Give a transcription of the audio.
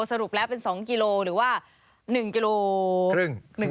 สรุปแล้วเป็น๒กิโลหรือว่า๑กิโลกรัม